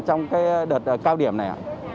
trong đợt cao điểm này